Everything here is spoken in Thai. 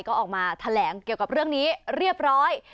ก็ออกมาแถลงเกี่ยวกับเรื่องนี้เรียบร้อย